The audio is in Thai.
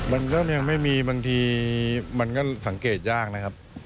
มันเริ่มยังไม่มีบางทีมันก็สังเกตยากนะครับ